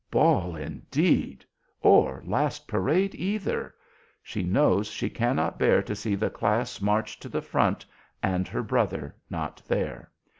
Ball, indeed! or last parade, either! She knows she cannot bear to see the class march to the front, and her brother not there.